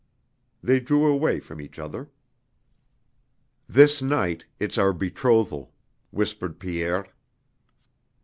They drew away from each other. "This night, it's our betrothal," whispered Pierre.